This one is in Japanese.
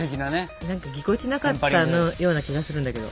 なんかぎこちなかったような気がするんだけど。